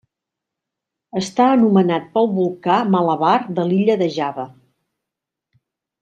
Està anomenat pel volcà Malabar de l'illa de Java.